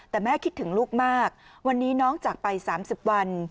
แต่แม่คิดถึงลูกมากวันนี้น้องจากไป๓๐วัน